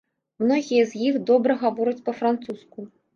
Многія з іх добра гавораць па-французску.